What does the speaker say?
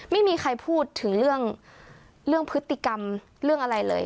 ไม่มีใครพูดถึงเรื่องพฤติกรรมเรื่องอะไรเลย